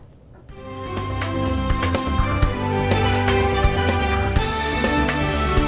hẹn gặp lại